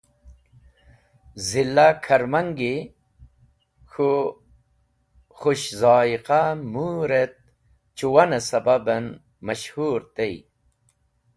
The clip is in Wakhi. Zila K̃harmangi K̃hu Khush Zoiqah Mũur et Chuwanve sababen mash-hur tey.